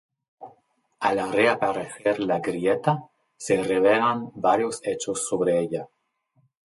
Al reaparecer la grieta, se revelan varios hechos sobre ella.